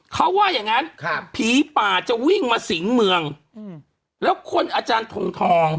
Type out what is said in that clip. เขาว่ายังงั้นค่ะผีป่าจะวิ่งมาสิงเมื่องอืมแล้วคนอาจารย์ธรรมธรรม